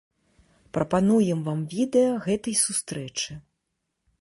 Прапануем вам відэа гэтай сустрэчы.